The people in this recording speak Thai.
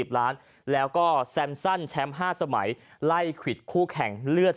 ๑๐ล้านแล้วก็แซมชันแชมป์ห้าสมัยไล่ขุดคู่แข่งเลือด